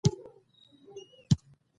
بس شروع مې د غمونو سلسلې شوې